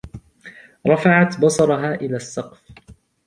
رفعت بصرها إلى السّقف.